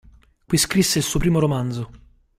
Qui scrisse il suo primo romanzo.